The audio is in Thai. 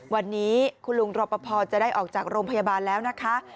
วันนี้คุณลุงรอปภจะได้ออกจากโรงพยาบาลแล้วนะคะ